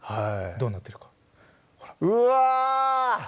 どうなってるかほらうわ！